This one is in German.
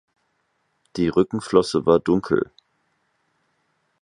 Die Rückenflosse war dunkel.